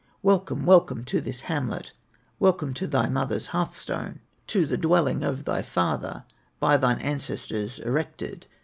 Welcome, welcome, to this hamlet, Welcome to thy mother's hearth stone, To the dwelling of thy father, By thine ancestors erected!"